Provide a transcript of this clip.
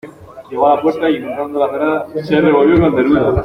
llegó a la puerta, y encontrándola cerrada , se revolvió con denuedo.